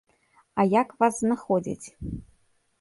А як вас знаходзяць?